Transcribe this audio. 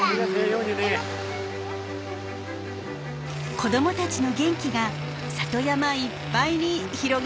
子どもたちの元気が里山いっぱいに広がっていきます。